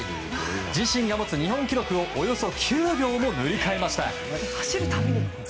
自身が持つ日本記録をおよそ９秒も塗り替えました。